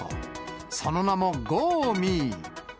その名も、ゴーミー。